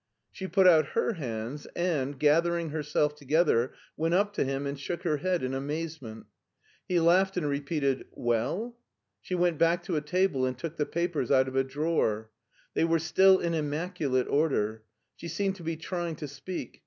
She put out her hands and, gathering herself together, went up to him and shook her head in amaze ment. He laughed and repeated " Well ?" She went back to a table, and took the papers out of a drawer. They were still in immaculate order. She seemed to be trying to speak.